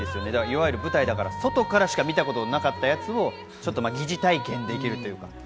いわゆる舞台だから、外からしか見たことなかったやつを疑似体験できるというか。